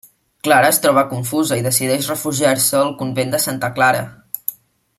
Clara es troba confusa, i decideix refugiar-se al convent de Santa Clara.